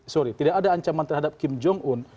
sorry tidak ada ancaman terhadap kim jong un